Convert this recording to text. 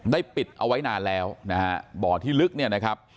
ปิดเอาไว้นานแล้วนะฮะบ่อที่ลึกเนี่ยนะครับ